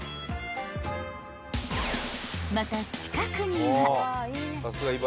［また近くには］